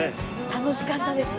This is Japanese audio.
楽しかったです！